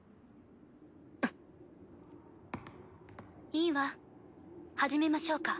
いいわ始めましょうか。